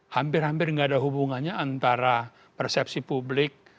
hampir hampir tidak ada hubungannya antara persepsi publik